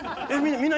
みんな！